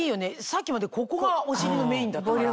さっきまでここがお尻のメインだったから。